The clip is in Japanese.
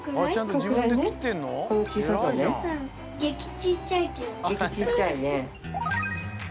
げきちっちゃいね。